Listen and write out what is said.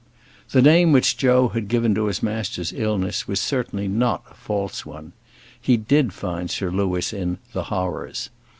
The name which Joe had given to his master's illness was certainly not a false one. He did find Sir Louis "in the horrors."